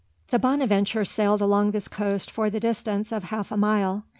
The Bonadventure sailed along this coast for the distance of half a mile.